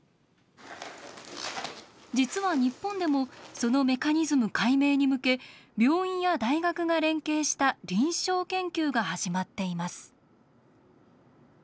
実は日本でもそのメカニズム解明に向け病院や大学が連携した臨床研究が始まっています。